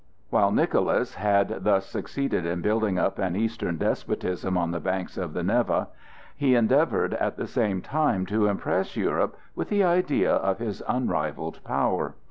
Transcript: While Nicholas had thus succeeded in building up an Eastern despotism on the banks of the Neva, he endeavored at the same time to impress Europe with the idea of his unrivalled power.